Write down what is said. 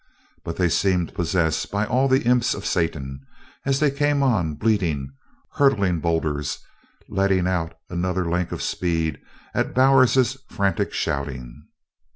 But they seemed possessed by all the imps of Satan, as they came on bleating, hurdling boulders, letting out another link of speed at Bowers's frantic shoutings.